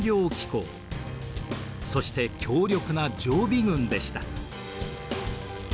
そして強力な常備軍でした。